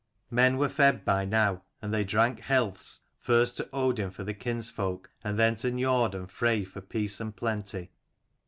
Men were fed by now, and they drank healths, first to Odin for the kinsfolk, and then to Niord and Frey for peace and plenty.